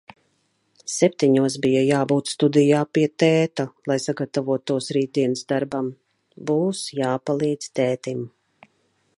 Septiņos bija jābūt studijā pie tēta lai sagatavotos rītdienas darbam. Būs jāpalīdz tētim.